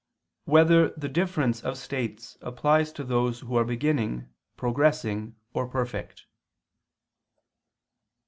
4] Whether the Difference of States Applies to Those Who Are Beginning, Progressing, or Perfect?